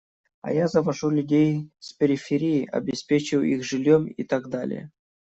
А я завожу людей с периферии, обеспечиваю их жильем и так далее.